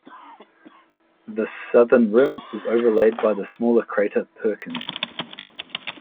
The southern rim is overlaid by the smaller crater Perkin.